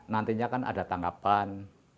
nantinya kan ada tanggapan